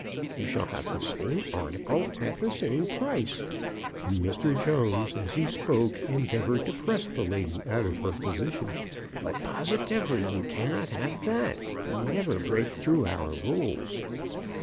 "You shall have the same article at the same price;" and Mr. Jones, as he spoke, endeavoured to press the lady out of her position. "But positively you cannot have that. We never break through our rules."